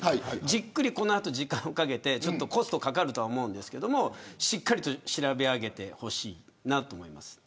じっくり、この後、時間をかけてコストはかかると思うんですがしっかり調べ上げてほしいなと思います。